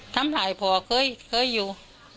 ทำร้ายพ่อเคยอยู่